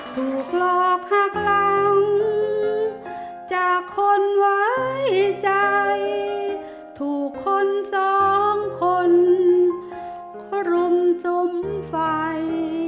ถูกหลอกหักหลังจากคนไว้ใจถูกคนสองคนรุมซุมไฟ